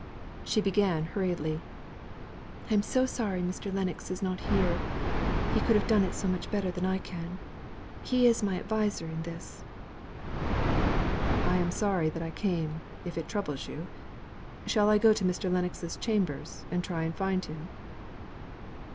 She began hurriedly: "I am so sorry Mr. Lennox is not here, he could have done it so much better than I can. He is my adviser in this" "I am sorry that I came, if it troubles you. Shall I go to Mr. Lennox's chambers and try and find him?"